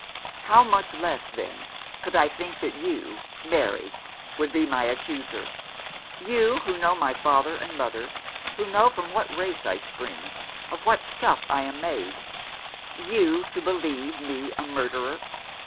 How much less, then, could I think that you, Mary, would be my accuser? You, who know my father and mother, who know from what race I spring, of what stuff I am made ; you to believe me a murderer